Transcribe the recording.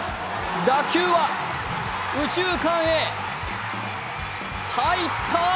打球は右中間へ、入った！